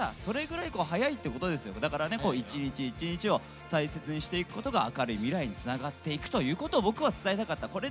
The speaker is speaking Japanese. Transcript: それぐらい早いってことですよだからね一日一日を大切にしていくことが明るい未来につながっていくということを僕は伝えたかった。